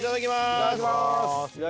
いただきます！